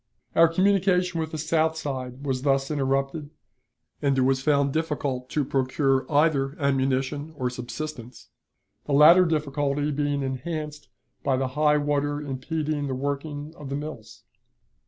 Our communication with the south side was thus interrupted, and it was found difficult to procure either ammunition or subsistence, the latter difficulty being enhanced by the high water impeding the working of the mills.